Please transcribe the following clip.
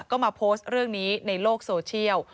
ก็มาโพสต์เรื่องนี้ในโลกโซเชียล